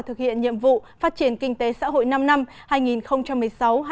thực hiện nhiệm vụ phát triển kinh tế xã hội năm năm hai nghìn một mươi sáu hai nghìn hai mươi